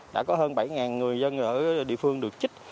đã có hơn bảy người dân ở địa phương được trích